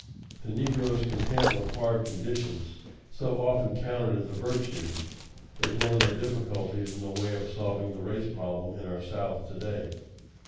The negro's content with hard conditions, so often counted as a virtue, is one of the difficulties in the way of solving the race problem in our South to day.